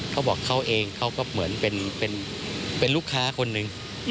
เขาบอกเขาเองเขาก็เหมือนเป็นลูกค้าคนหนึ่ง